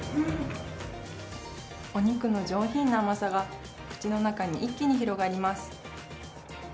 お肉の上品な甘さが口の中に一気に広がります。